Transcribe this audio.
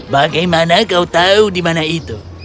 bagaimana kau tahu di mana itu